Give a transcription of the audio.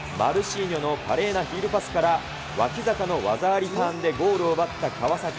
マルチーニョの華麗なヒールパスから、脇坂の技ありターンでゴールを奪った川崎。